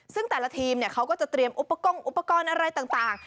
ซึ่งแต่ละทีมเขาก็จะเตรียมอุปกรณ์อุปกรณ์อะไรต่าง